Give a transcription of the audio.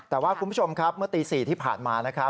แต่ว่าคุณผู้ชมครับเมื่อตี๔ที่ผ่านมานะครับ